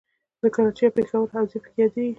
د کراچۍ او پېښور حوزې پکې یادیږي.